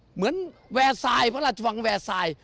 เหมือนแวร์ทไซด์พระราชวังแวร์ทไซด์